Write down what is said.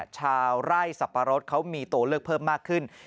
ชาวไร่สับปะรดเขามีตัวเลือกเพิ่มมากขึ้น